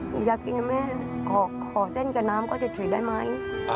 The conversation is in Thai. หนูอยากกินนะแม่ขอเส้นกับน้ำก็เฉยได้ไหม